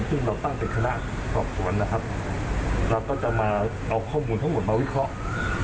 ซึ่งเราตั้งเป็นคณะสอบสวนนะครับเราก็จะมาเอาข้อมูลทั้งหมดมาวิเคราะห์